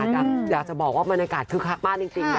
ค่ะอยากจะบอกว่ามนาฬิกาทึกมากจริงนะคะ